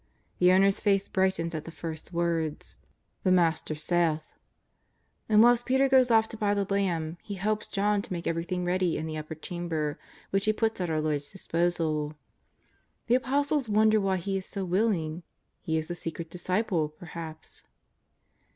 The owner's face brightens at the first words :" The Master JESrS OF NAZARETH. 327 saith/' and whilst Peter goes off to buy the lamb, he helps John to make everything ready in the upper chamber which he puts at our Lord's disposal. The Apostles wonder why he is so willing — he is a secret disciple, perhaps.